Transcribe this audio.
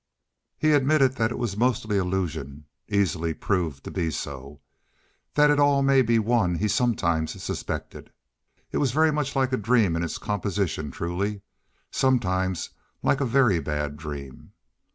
He admitted that it was mostly illusion—easily proved to be so. That it might all be one he sometimes suspected. It was very much like a dream in its composition truly—sometimes like a very bad dream.